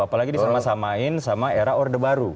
apalagi disamain sama era order baru